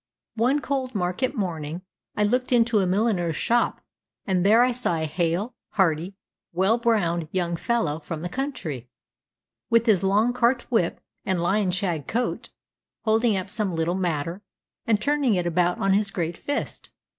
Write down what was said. One cold market morning I looked into a milliner's shop, and there I saw a hale, hearty, well browned young fellow from the country, with his long cart whip, and lion shag coat, holding up some little matter, and turning it about on his great fist.